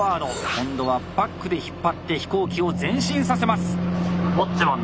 今度はバックで引っ張って飛行機を前進させます。